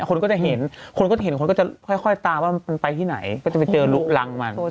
คนก็จะเห็นคนก็เห็นคนก็จะค่อยตามว่ามันไปที่ไหนก็จะไปเจอลุรังมัน